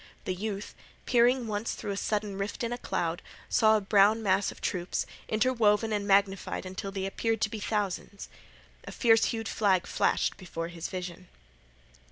The youth, peering once through a sudden rift in a cloud, saw a brown mass of troops, interwoven and magnified until they appeared to be thousands. A fierce hued flag flashed before his vision.